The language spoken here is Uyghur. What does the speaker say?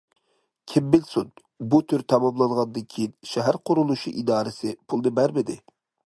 كىم بىلسۇن، بۇ تۈر تاماملانغاندىن كېيىن، شەھەر قۇرۇلۇشى ئىدارىسى پۇلنى بەرمىدى.